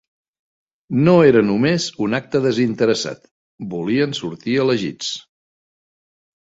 No era només un acte desinteressat, volien sortir elegits.